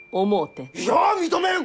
いや認めん！